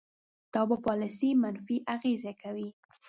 دا په پالیسۍ منفي اغیز کوي.